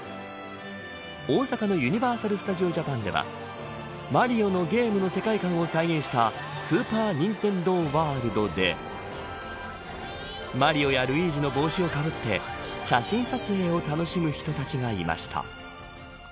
大阪のユニバーサル・スタジオ・ジャパンではマリオのゲームの世界観を再現したスーパー・ニンテンドー・ワールドでマリオやルイージの帽子をかぶって写真撮影を楽しむ人たちがいました。